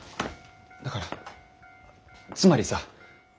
だからつまりさ。